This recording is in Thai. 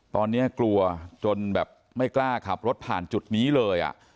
ตอนนี้กลัวจนแบบไม่กล้าขับรถผ่านจุดนี้เลย